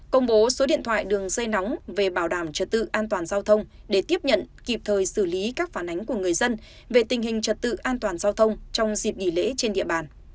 công bố số điện thoại đường dây nóng về bảo đảm trật tự an toàn giao thông để tiếp nhận kịp thời xử lý các phản ánh của người dân về tình hình trật tự an toàn giao thông trong dịp nghỉ lễ trên địa bàn